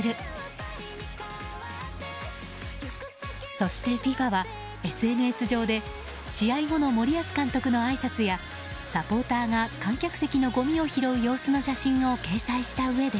そして、ＦＩＦＡはＳＮＳ上で試合後の森保監督のあいさつやサポーターが観客席のごみを拾う様子の写真を掲載したうえで。